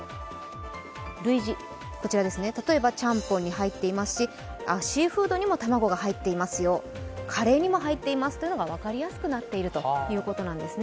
類似、例えば、チャンポンに入っていますし、シーフードにも卵が入っていますよ、カレーにも入っていますというのが分かりやすくなっているということなんです。